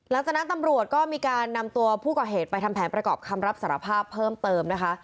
หลังจากนั้นตำรวจก็มีการนำตัวผู้ก่อเหตุไปทำแผนประกอบคำรับสารภาพเพิ่มเติมนะคะ